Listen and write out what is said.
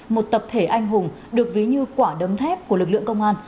một tập thể anh hùng được ví như quả đấm thép của lực lượng công an